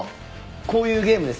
こういうゲームですか。